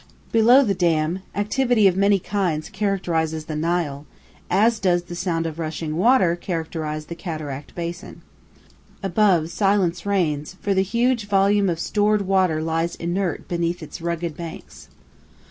Below the dam activity of many kinds characterizes the Nile, as does the sound of rushing water the Cataract basin. Above, silence reigns, for the huge volume of stored water lies inert between its rugged banks.